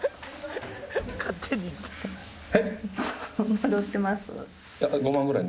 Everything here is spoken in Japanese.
戻ってます？